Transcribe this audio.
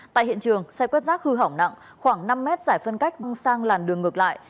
tại hiện trường xe quét rác hư hỏng nặng khoảng năm mét giải phân cách văng sang làn đường ngược lại